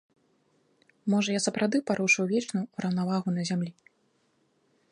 Можа, я сапраўды парушыў вечную раўнавагу на зямлі?